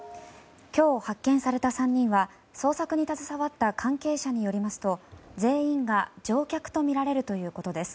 今日発見された３人は、捜索に携わった関係者によりますと全員が乗客とみられるということです。